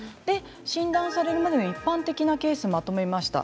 診断されるまで一般的なケースをまとめました。